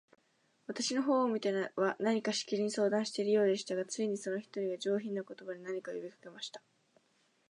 私の方を見ては、何かしきりに相談しているようでしたが、ついに、その一人が、上品な言葉で、何か呼びかけました。